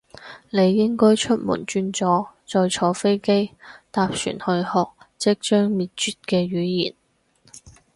你應該出門轉左，再坐飛機，搭船去學即將滅絕嘅語言